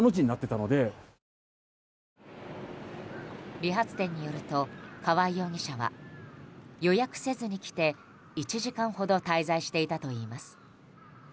理髪店によると川合容疑者は予約せずに来て１時間ほど滞在していたといいます。